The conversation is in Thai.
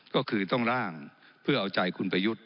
ก็คือต้องล่างเพื่อเอาใจคุณประยุทธ์